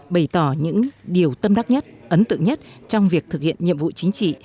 bày tỏ những điều tâm đắc nhất ấn tượng nhất trong việc thực hiện nhiệm vụ chính trị